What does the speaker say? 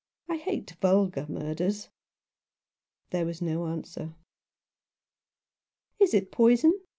I hate vulgar murders." There was no answer. " Is it poison